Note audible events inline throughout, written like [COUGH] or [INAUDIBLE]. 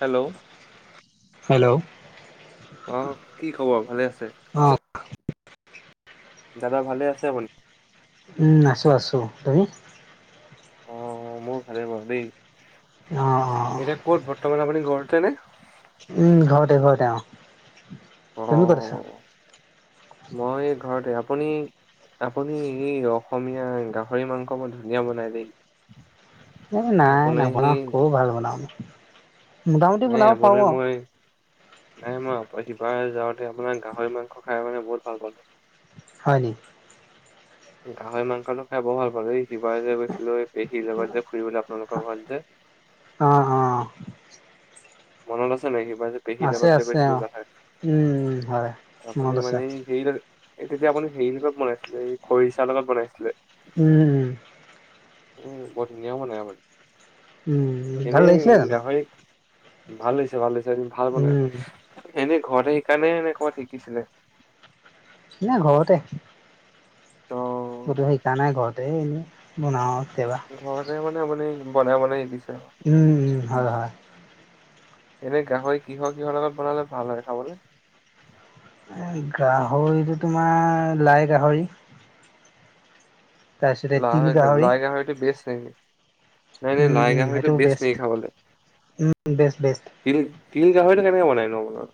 Hello hello অ' কি খবৰ ভালে আছে অ দাদা ভালে আছে আপুনি উম আছো আছো তুমি অ মোৰ ভালে বাৰু দেই অ অ এতিয়া ক'ত বৰ্তমান আপুনি ঘৰতে নে উম ঘৰতে ঘৰতে অ অ তুমি ক'ত আছা। মই ঘৰতে আপুনি আপুনি এই অসমীয়া গাহৰি মাংস মই ধুনীয়া বনাই দেই এই নাই আপুনি সেই নবনাওঁ একো ভাল নবনাওঁ এই আপোনি মই নাই মই শিপাৰে যা আপোনাৰ গাহৰি মাংস খাই মানে বহুত ভাল পালো। হয় নি গাহৰি মাংসটো খাই বৰ ভাল পালো দেই ইবাৰৰে যে গৈছিলো এই পেহীৰ লগত যে ফুৰিবলৈ আপোনালোকৰ ঘৰত যে অ [INAUDIBLE] মনত আছে নেকি মই যে পেহী আছে লগত যে আছে গৈছিলো অ গাহাই আহ উম হয় আপুনি মনত আছে মানে এই হে এই তেতিয়া আপুনি হেৰি লগত বনাইছিলে এই খৰিচাৰ লগত বনাইছিলে। উম উম বৰ ধুনীয়া ‌বনাই উম উম আপোনি ভাল এনে লাগিছিলে জানো গাহৰি ভাল হৈছে ভাল হৈছে ভাল উম বনাই এনে ঘৰতে শিকা নে এনে ক'বাত শিকিছিলে নাই ঘৰতে অ' কতো শিকা নাই ঘৰতে এনে বনাও আৰু ঘৰতে মানে মানে বনাই বনাই দিছে উম হয়, হয়। এনে গাহৰি কিহৰ কিহৰ লগত বনালে ভাল হয় খাবলৈ। গাহৰিটো তোমাৰ লাই গাহৰি তাৰপিছতে তিল গাহৰি লয় গাহৰিটো বেছ নেকি এ উম লাই উম গাহৰিতো সেইটো বেষ্ট নেকী খাবলৈ। উম বেষ্ট বেষ্ট তিল তিল গাহৰিটো কেনেকে বনাই নহ আপোনালোকৰ।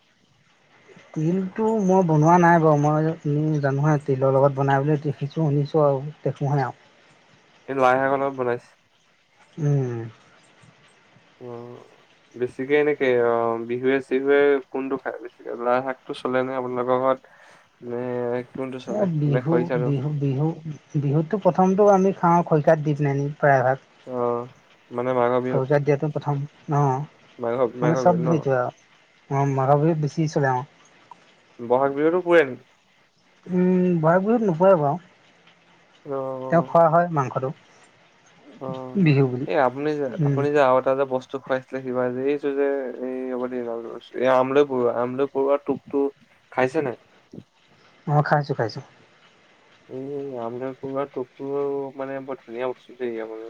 তিলটো মই বনোৱা নাই বাৰু মই আপমি জানোহে তিলৰ লগত বনাই বুলি দেখিছোঁ শুনিছোঁ আৰু দেখুহে আও এই লাইশাকৰ লগত বনাইছে। উম উম বেছিকে এনেকে অ বিহুৱে চিহুৱে কোনটো খায় বেছিকে লাই শাক টো চলে নে আপোনালোকৰ। খত এ খত। এ বিহু বিহু বিহু বিহুততো প্ৰথমতো আমি খাওঁ খৰিকাত দি কিনে। প্ৰায়ভাগ অ'। মানে মাঘৰ বিহুত শৌজাত দিয়াতো প্ৰথম অ মাঘ মানে মাঘৰ বিহুত চব ন ধইতো আৰু অ মাঘৰ বিহুত বেছি চলে। বহাগ বিহুতো পুৰে‌ নেকী। উম বহাগ বিহুত নোপৰে বাৰু তেও অ', খোৱা হয় মাংসটো। অ বিহু বুলি এই আপুনি যে উম আপুনি যে আৰু এটা যে বস্তু খুৱাইছিলে কিবা যে। যে এই হব এই আমলৈ পৰুৱা আমলৈ পৰুৱা টোপটো খাইছে নাই খাইছোঁ খাইছোঁ এই আমদান কৰুৱাৰ ফটো মানে বৰ ধুনীয়া বস্তু দেই আপাৰ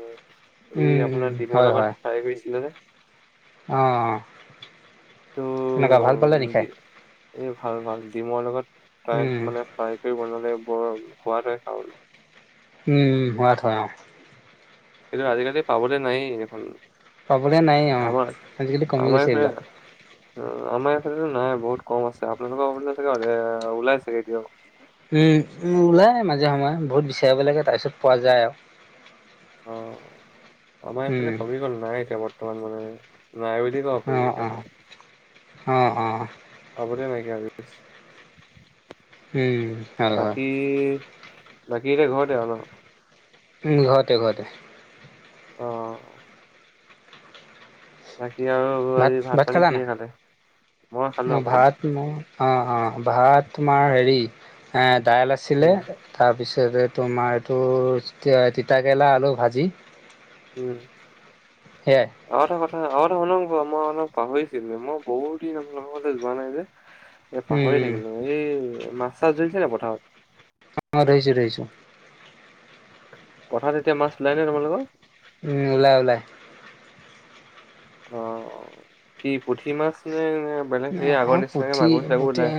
এই উম উম আপোনাৰ দিমৰ হয় হয় লগত ফ্ৰাই কৰিছিলে যে। অ তেনেকুৱা ভাত উ দি এ ভাল ভাল ডিমৰ লগত উম মানে ফ্ৰাই কৰি বনালে। ৰ সোৱাদে খাও ন উম হোৱাত হয় অ এইটো আজিকালি পাবলৈ নাই দেখুন পাবলে নাই অ আজিকালি কমি আমাৰ গৈছে এইফালে এইবিলাক। আমাৰ ইফালতো নাই বহুত কম আছে আপোনালোকৰ ফালে চাগে ওলাই চাগে দিয়ক। উম উম ওলাই মাজে সময়ে বহুত বিচাৰিব লাগে তাৰ পিছত পোৱা যায় আৰু অ' আমাৰ এফালে উম কমি গ'ল নাই এতিয়া বৰ্তমান মানে নাইবধি ক অ অ কাৰণে। অ অ। পাবলে নাইকিয়া হৈ উম গৈছে হয় হয় বাকী বাকী এতিয়া ঘৰতে আৰু নহ। উম ঘৰতে ঘৰতে। অ বাকী আৰু ভাত আজি ভাত পানী খালা কিহে নাই খালে? মই খালো, অ আপুনি? ভাত ম অ অ ভাত তোমাৰ হেৰি দাইল আছিলে উম, তাৰপিছত এনে তোমাৰটো তিতাকেৰেলা আলু ভাজি উম সেইয়াই আগতে শুক মই অলপ পাহৰিছিলো মই বহুত দিন মতে যোৱা নাই যে এ উম পাহৰি উম থাকিলো এই মাছ চাছ ধৰিছে ন পথাৰত অ ধৰিছো ধৰিছো পথাৰত এতিয়া মাছ ওলাই নে তোমালোকৰ। উম ওলাই ওলাই অ কি পুঠি মাছ নে। নে বেলেগ অ সেই আগৰ অ নিচিনাকে পুঠি মাগুৰ চাগুৰ পুঠি ওলাই? এ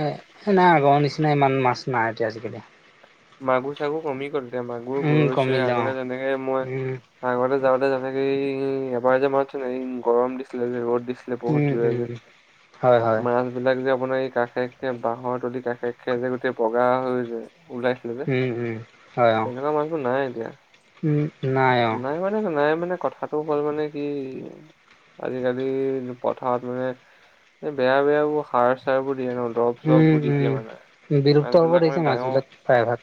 নাই আগৰ নিচিনা ইমান মাছ নিচ ন এতিয়া আজিকালি মাগু চাগু কমি গ'ল। এতিয়া মাগুৰ, উম গৰৈ-চৰই কমিলে অ আগতে যেনেকে মই, উম আগতে যাওঁতে যেনেকে উম এবাৰ যে মাতছোন এই গৰম দিছিলে যে ৰ'দ দি উম বহুত জোৰে যে, উম হয় হয় মাছবিলাক যে আপোনাৰ এই কাষে-কাষে বাঁহৰ তুলি কাষে খে যে গোটেই বগা হৈ যায়, ওলাই যে উম উম হয় অ তেনেকুৱা মাছবোৰ নাই এতিয়া, উম অ নাই মানে নাই মানে কথাটো হ'ল মানে কি, আজিকালি পথাৰত মানে এই বেয়া-বেয়াবোৰ সাৰ-চাৰবোৰ দিয়ে ন। ৰব-চব উম পুদি উম দিয়া মানে, বিলুপ্ত মাছ হ'ব বিলাক ধৰিছে মানে ডাঙৰ মাছবিলাক প্ৰায়ভাগ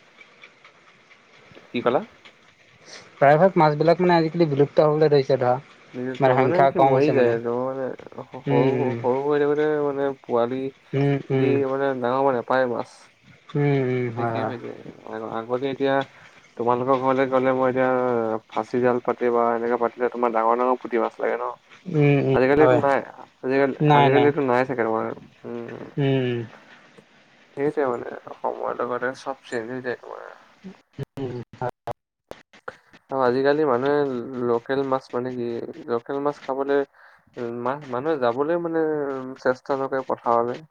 কি কলা? প্ৰায়ভাগ মাছ বিলাক মানে আজিকালি বিলুপ্ত হবলৈ ধৰিছে ধৰা। তাৰ মানে সংখ্যা কি কম মৰি হৈছে যায় মানে আৰু মানে উম সৰু-সৰু হৈ থাকোতে মানে পোৱালি উম উম দি মানে ডাঙৰ মানে নেপায় মাছ, উম উম উম হয় শেষেই হয় হৈ যায় এতিয়া তোমালোকৰ ঘৰলে গ'লে মই এতিয়া ফাচি জাল পাতি বা এনেকে পাতিলে তোমাৰ ডাঙৰ-ডাঙৰ পুঠি মাছ লাগে ন, উম উম আজিকালিটো হয় নাই, আজিকালি-আজিকালিটো নাই চাগে ত উম। সেইটোৱে মানে সময় লগতে চব চেঞ্জ হৈ যায় তোমাৰ। [INAUDIBLE] আৰু আজিকালি মানুহে লোকেল মাছ মানে কি, লোকেল মাছ খাবলৈ মাছ মানুহে যাবলৈ মানে চেষ্টা নকৰে পথাৰলৈ।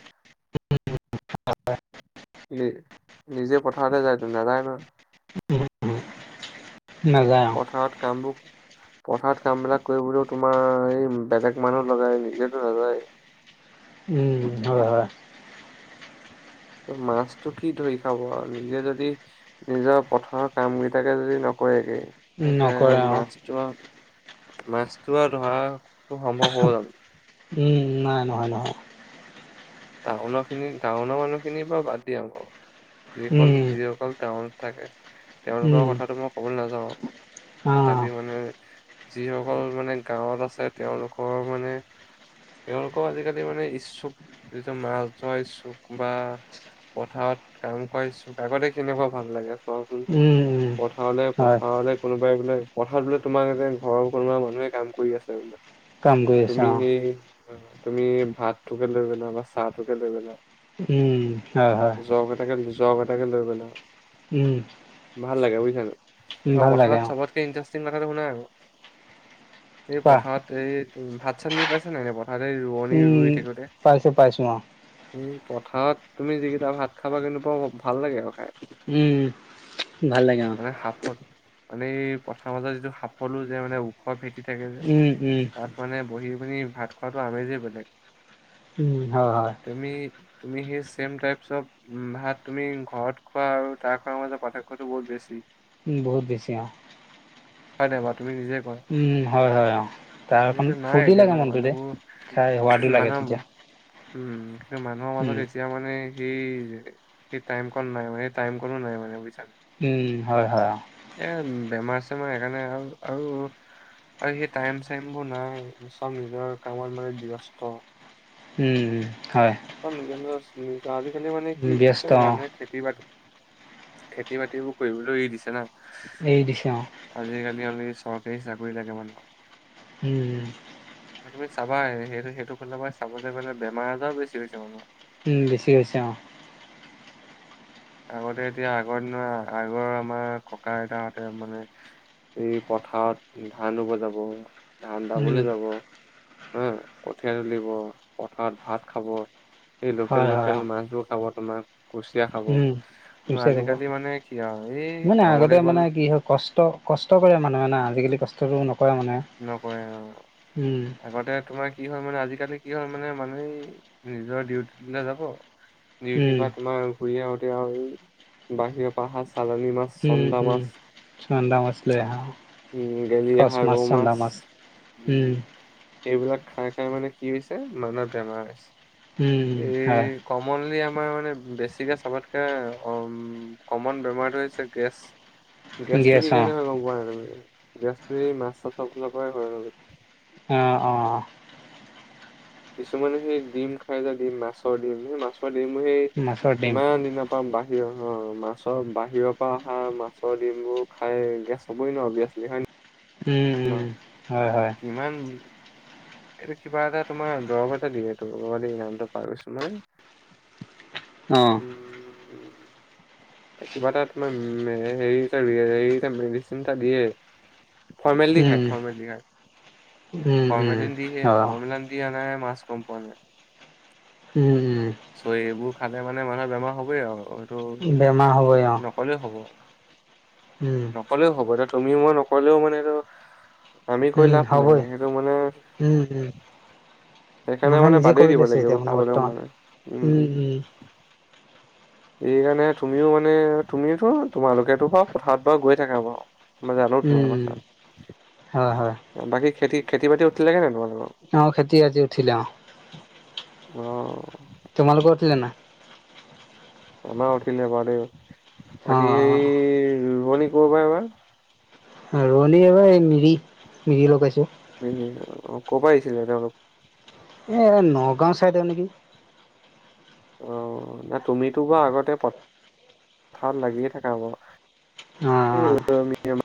[INAUDIBLE] নি নিজে পথাৰতে যায় ত' নাযায় ন। উম, নাযায় অ পথাৰত কামবোৰ পথাৰত কামবিলাক কৰিবলৈও তোমাৰ এই বেলেগ মানুহ লগাই নিজেতো নাযায়। [INAUDIBLE] উম, হয়, হয়। মাছটো কি ধৰি খাব আৰু, নিজে যদি নিজৰ পথাৰৰ কামকেইটাকে যদি নকৰেগে। নকৰে [UNINTELLIGIBLE] অ মাছটো আৰু মাছটো আৰু ধৰাটো সম্ভৱ হ'ব জানো? উম, নাই নহয়, নহয়। টাউনৰখিনি, টাউনৰ মানুহখিনিৰ পৰা বাদ দিয়া আকৌ, উম যিসকল-যিসকল টাউন থাকে, উম তেওঁলোকৰ কথাটো মই কবলৈ নাযাও, অ খালি মানে যিসকল মানে গাঁৱত আছে তেওঁলোকৰ মানে তেওঁলোকৰ আজিকালি মানে ইচ্ছুক, যিটো মাছ ধৰা ইচ্ছুক বা পথাৰত কাম কৰিছো, আগতে কেনেকুৱা ভাল লাগে চোৱাচোন। উম উম হয় পথাৰলে-পথাৰলে কোনোবাই বোলে, পথাৰত বোলে তোমাৰতে ঘৰৰ কোনোবা মানুহে কাম কৰি আছে বোলে। কামগৈ আছা তুমি অ। সেই তুমি ভাতটোকে লৈ পেলা বা চাহটোকে লৈ পেলা উম, হয়, হয়, যোৱাকেইটা যোৱা কেইটা তাকে লৈ, উম, ভাল লাগে বুজিছা নে, উম, নাই ভাল লাগে পথাৰত অ', চবতকে ইনটেৰষ্টিঙং শুনাই আৰু, এই কোৱা পথাৰত, এই ভাত-চাত নি পাইছা নে নাই প ভালেই ৰোৱনী উম, ৰুই থাকোঁতে পাইছোঁ, পাইছোঁ অ', উম, পথাৰত তুমি যিকেইটা ভাত খাবা কিন্তু ভাল লাগে আৰু খাই। উম, ভাল লাগে অ। মানে সাফত মানে এই পথাৰ মাজত যিটো সাফলো যে মানে ওখ ভে থাকে যে, উম, উম, তাত মানে বহি পিনি ভাত খোৱাৰতো আমেজেই বেলেগ। উম হয়, হয়। তুমি তুমি সেই ছেম টাইপ্চ অফ ভাত তুমি ঘৰত খোৱা আৰু তাৰ খোৱাৰ মাজত পাৰ্থক্যটো বহুত বেছি। বহুত বেছি আৰু। [INAUDIBLE] কোৱা? উম, হয়, হয়, অ। কিন্তু তাৰখন এইটো নাই ফূৰ্তি এতিয়া লাগে নাই মনটোতে মানুহবোৰ খাই সোৱাদো লাগে মানুহৰ তেতিয়া। উম, কিন্তু মানুহৰ উম, মাজত এতিয়া মানে সেই যে সেই টাইম কন নো নাই মানে টাইম কনো নাই মানে বুজিছা। উম, হয়-হয়। এ বেমাৰ চেমাৰ এনেকা আৰু-আৰু। আৰু সেই টাইম চাইম বোৰ নাই চব নিজৰ কামত মানে ব্যস্ত। উম, হয়, আ, নিজৰ-নিজৰ আছিল আজিকালি মানে উম, কি ব্যস্ত অ', মানুহে খেতি বাতি খেতি বাতিবোৰো কৰিবলৈ এৰি দিছে না। এৰি দিছে অ', আজিকালি অনলি চৰকাৰী চাকৰি লাগে মানুহক। উম, তুমি চাবা সেইটো সেইটো ফালে মই চাবলৈ গ'লে বেমাৰ আজাৰ বেছি হৈছে মানুহৰ। উম, বেছি হৈছে অহ। আগতে এতিয়া আগৰ দিনৰ আগৰ আমাৰ ককা আইতাহঁতে মানে এই পথাৰত ধান ৰুব জাব। ধান উম, দাবলৈ যাব হে কঠীয়া তুলিব পথাৰত ভাত খাব। এই হয়, হয়, লোকেল-লোকেল অ', মাছবোৰ খাব তোমাৰ কুচিয়া খাব। কিজে হব, আজিকালি মানে কি আৰু এই মানে আগতে কামলৈ গ'ল মানে কি হয় কষ্ট-কষ্ট কৰে মানুহে না। আজিকালি কষ্টটো নক নকৰে অ, আগতে তোমাৰ কি হয় মানে আজি কালি কি হ'ল মানে মানুহে নিজৰ ডিউটি বিলাকত যাব। ডিউটিৰ উম পৰা তোমাৰ ঘূৰি আহোতে আৰু বাহিৰৰ পৰা সা চালানী মাছ, উম চন্দা মাছ উম চন্দা মাছ লৈ আহা উম, গেলি কচ আহা ৰৌ মাছ। চন্দা মাছ উম, এইবিলাক খাই মানে কি হৈছে মানুহৰ বেমাৰ উম হৈছে হয় এই কমনলি আমাৰ মানে বেছিকে চবতকে কমন বেমাৰটো হৈছে গেছ গেছটো গেছ কি অ কাৰণে হয় গম পোৱা নাই তুমি গেছটো সেই মাছ চাছৰ পৰাই হয় আৰু। অঁ-অঁ, কিছুমানে সেই ডিম খাই যে ডিম মাছৰ ডিম সেই মাছৰ ডিম ডিম সেই অ মাছৰ ডিম কিমান দিনৰ পৰা বাহিৰৰ মাছৰ বাহিৰৰ পৰা অহা মাছৰ ডিমবোৰ খাই গেছ হ'বই ন অভিয়াচলি হয় ন? উম - উম। হয় হয় কিমান এইটো কিবা এটা তোমাৰ দ্ৰৱ এটা দিয়ে ধৰিলো নামটো পাহৰিছো মই। [INAUDIBLE] অ', উম, কিবা এটা তোমাৰ হেৰি এটা হেৰি এটা মেডিচিন এটা দিয়ে। ফৰ্মেলি খাই, উম ফৰ্মেলি খাই। উম উম ফৰ্মেলিন দি হে অ ফৰ্মেলিন দি আনা মাছ কম্পেনীয়ে। উম উম চ সেইবোৰ খালে মানে মানুহৰ বেমাৰ হবই আৰু। এইটো বেমাৰ হ'ব অ', নকলেও হ'ব উম নকলেও হ'ব দে তুমি মই নকলেও মানেটো আমি কৈ উম লাভ নাই হ'বই সেইটো মানে উম উম সেইকাৰণে মানুহে মানে বাদেই দিব লাগে খাবলৈ মানে। উম উম। উম-উম, সেইকাৰণে তুমিও মানে তুমিওটো তোমালোকেতো বাৰু পথাৰত বাৰু গৈ থাকা বাৰু। মই জানো তোমাৰ উম কথা হয় হয় বাকী খেতি-খেতি বাতি উঠিলে নে নাই তোমাৰ অ, খেতি বাতি উঠিলে অ, অ তোমালোক উঠিল নে নাই? আমাৰ উঠিলে বাৰ দেই বাকী সেই অ', ৰুমনী ক পৰা এবাৰ। ৰনী এইবাৰ এই মিৰি মিৰি লগাইছো। ক'ৰ পৰা আহিছিলে তেওলোক। এই নগাও ছাইদৰ নেকি? অ, ন তুমিতো বাৰ আগতে পথাৰত লাগিয়ে থকা বাৰু অ',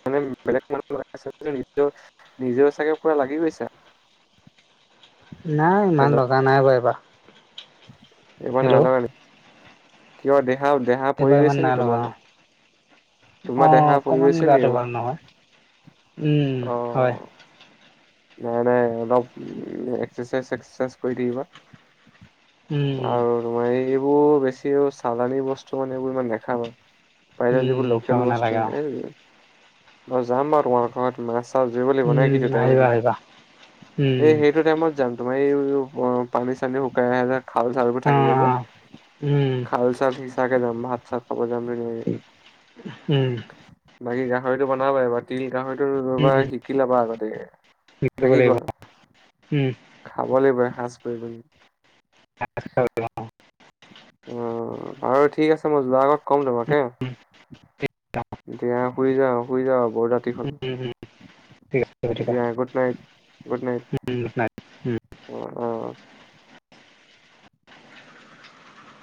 মানে বেলেগ মানুহ লগাইছা যদিও নিজও নিজেও চাগে পুৰা লাগি গৈছা। নাই ইমান হেল্ল' লগা নাই বাৰু এইবাৰ। এইবাৰ নাই হেল্ল' লাগ নেকি কিয় দে। এইবাৰ ইমান নাই লগা অ, অ, তোমাৰ দেহা পৰি অকমান গৈছে নি? গাটো ভাল নহয়। উম অ হয়। নাই- নাই অলপ উম, এক্সাৰচাইজ সেচ্ছেৰচাইজ কৰি থাকিবা। উম, আৰু তোমাৰ এইবোৰ বেছি চালানি বস্তু মানে এইবোৰ ইমান নেখাবা। পাৰিলা উম, যিবোৰ লোকেল চাব বস্তু নালাগে অ'। অ, যাম বাৰু তোমাৰ ঘৰত মাছ থাচ ধৰিব লাগিব নাই কি উম, দুটাই মিলি। আহিবা আহিবা। উম, এ সেইটো টাইমত যাম তোমাৰ এই পানী চানী শুকাই আহে যে। খাউল চাউবোৰ থাকে অ', যে অ'। উম, খাউল চাউল সিচাকে যাম ভাত চাত। বজাম উম, বাকী গাহৰিটো বনাব পাৰিবা তিল গাহৰিটো বনাবো উম, শিকি লবা আগতে। উম, না কৰিব কি লাগিব কোৱা উম। খাব লাগিব এসাজ কৰি। [UNINTELLIGIBLE] আৰু ঠিক আছে মই যোৱা আগত ক'ম তোমাকে উম, দিয়া শুই যাও - শুই যাও। বহুত ৰাতি হ'ল উম, উম, ঠিক আছে ঠিক দিয়াৰ আছে। আগত উম নাই উম। উম, উম।